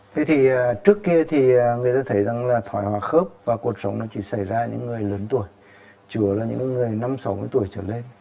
thế thì trước kia thì người ta thấy rằng là thoái hóa khớp và cuộc sống nó chỉ xảy ra những người lớn tuổi chừa là những người năm sáu mươi tuổi trở lên